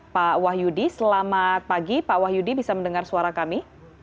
pak wahyudi selamat pagi pak wahyudi bisa mendengar suara kami